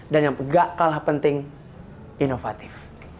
dan yang gak kalah penting inovatif